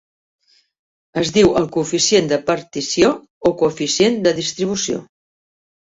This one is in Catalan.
Es diu el coeficient de partició o coeficient de distribució.